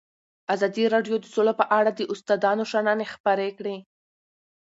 ازادي راډیو د سوله په اړه د استادانو شننې خپرې کړي.